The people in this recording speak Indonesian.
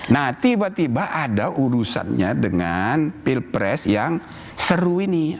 nah tiba tiba ada urusannya dengan pilpres yang seru ini